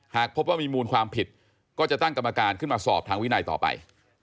หากพบว่ามีมูลความผิดก็จะตั้งกรรมการขึ้นมาสอบทางวินัยต่อไป